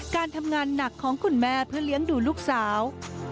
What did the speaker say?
การทำงานหนักของคุณแม่เพื่อเลี้ยงดูลูกสาว